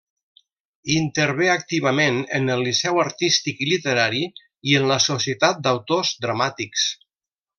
Intervé activament en el Liceu Artístic i Literari i en la Societat d'Autors Dramàtics.